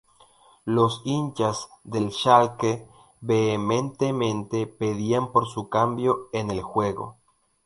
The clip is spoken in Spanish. Los hinchas del Schalke vehementemente pedían por su cambio en el juego.